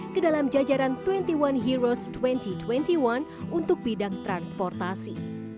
ke dalam jajaran dua puluh satu heroes dua ribu dua puluh satu untuk bidang transportasi